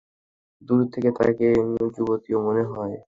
দূর থেকে তাকে যুবতীই মনে হয়।